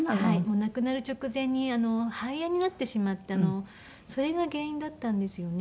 亡くなる直前に肺炎になってしまってそれが原因だったんですよね。